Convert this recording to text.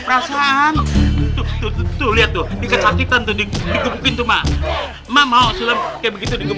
bisa juga kita bisa disalahin ya sama polisi nih